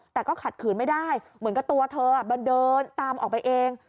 แต่ก็ขัดขืนไม่ได้เหมือนกับตัวเธอมันเดินตามออกไปเอง